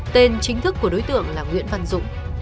tên chính thức của đối tượng là nguyễn văn dũng